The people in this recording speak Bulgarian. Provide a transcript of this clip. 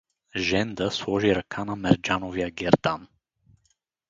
Женда сложи ръка на мерджановия гердан.